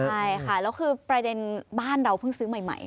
ใช่ค่ะแล้วคือประเด็นบ้านเราเพิ่งซื้อใหม่